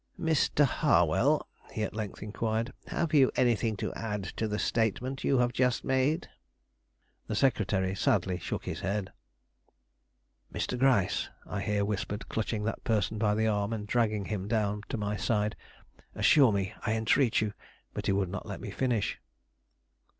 "Mr. Harwell," he at length inquired, "have you anything to add to the statement you have just made?" The secretary sadly shook his head. "Mr. Gryce," I here whispered, clutching that person by the arm and dragging him down to my side; "assure me, I entreat you " but he would not let me finish.